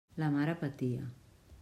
La mare patia.